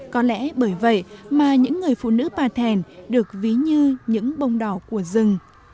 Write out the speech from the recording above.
có lẽ bởi vậy mà những người phụ nữ bà thèn được ví như những bông đỏ của rừng